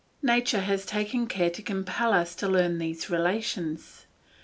Nature has taken care to compel us to learn these relations.